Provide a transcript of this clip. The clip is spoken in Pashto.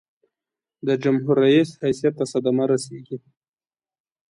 د جمهور رئیس حیثیت ته صدمه رسيږي.